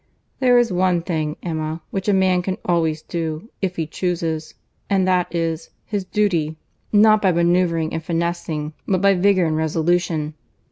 "There is one thing, Emma, which a man can always do, if he chuses, and that is, his duty; not by manoeuvring and finessing, but by vigour and resolution.